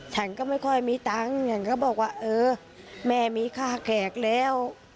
ฉันก็ไม่ค่อยมีตังค์ฉันก็บอกว่าเออแม่มีค่าแขกแล้ว